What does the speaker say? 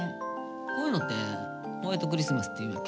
こういうのってホワイトクリスマスっていうんやっけ。